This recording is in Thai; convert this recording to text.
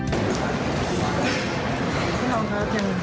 พี่น้องครับยังไหวนะครับช่วงนี้ไม่ไหกรอกนะครับพี่น้อง